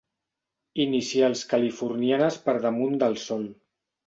Inicials californianes per damunt del sol.